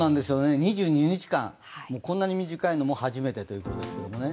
２２日間、こんなに短いのも初めてということです。